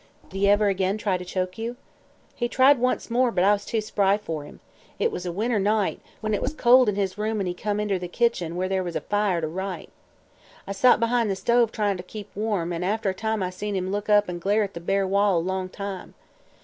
"Did he ever again try to choke you?" "He tried once more, but I was too spry for him. It was a winter night, when it was cold in his room an' he come inter the kitchen, where there was a fire, to write. I sot behind the stove, tryin' to keep warm, an' after a time I seen him look up an' glare at the bare wall a long time.